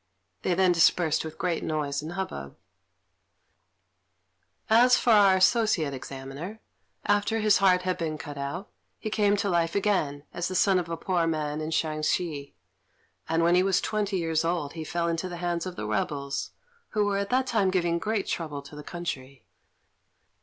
They then dispersed with great noise and hubbub. As for our Associate Examiner, after his heart had been cut out, he came to life again as the son of a poor man in Shensi; and when he was twenty years old he fell into the hands of the rebels, who were at that time giving great trouble to the country.